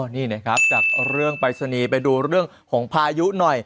อ๋อนี่เนี่ยครับจากเรื่องไปสนีไปดูเรื่องของพายุหน่อย